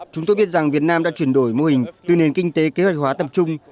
chúng tôi biết rằng việt nam đã chuyển đổi mô hình từ nền kinh tế kế hoạch hóa tập trung